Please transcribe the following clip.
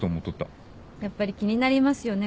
やっぱり気になりますよね